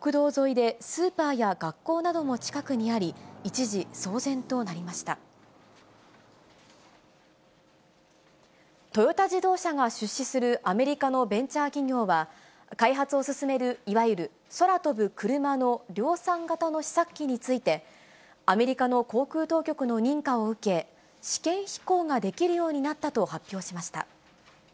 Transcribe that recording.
現場は国道沿いでスーパーや学校なども近くにあり、一時騒然となトヨタ自動車が出資するアメリカのベンチャー企業は、開発を進めるいわゆる空飛ぶクルマの量産型の試作機について、アメリカの航空当局の認可を受け、試験飛行ができるようになったと発表しました。